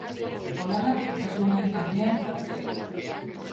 Olanak jolasguneen gainean jarriko dira.